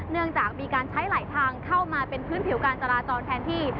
เนื่องจากมีการใช้ไหลทางเข้ามาเป็นพื้นผิวการจราจรแทนที่